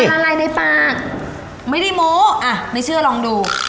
อะไรในปากไม่ได้โม้อ่ะไม่เชื่อลองดู